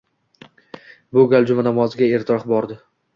Bu gal juma namoziga ertaroq bordi